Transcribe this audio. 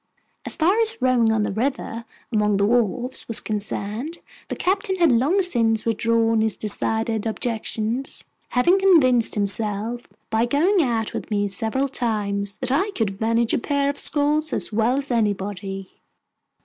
As far as rowing on the river, among the wharves, was concerned, the Captain had long since withdrawn his decided objections, having convinced himself, by going out with me several times, that I could manage a pair of sculls as well as anybody.